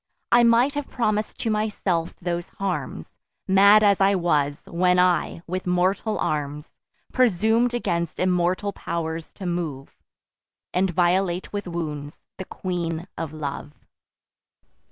I might have promis'd to myself those harms, Mad as I was, when I, with mortal arms, Presum'd against immortal pow'rs to move, And violate with wounds the Queen of Love.